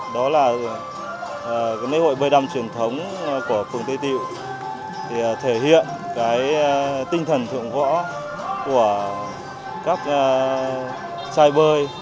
đó là lễ hội bơi đăm truyền thống của phường tây tịu thể hiện tinh thần thượng võ của các chai bơi